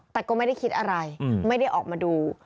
แต่ก็ไม่ได้คิดอะไรไม่ได้ออกมาดู